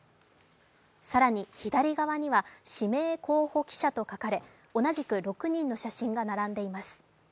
更に、左側には指名候補記者と書かれ同じく６人の写真が並んでいます。